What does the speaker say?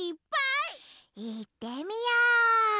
いってみよう！